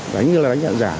đánh như là đánh trận giả